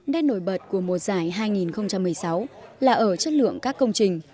nét nổi bật của mùa giải hai nghìn một mươi sáu là ở chất lượng các công trình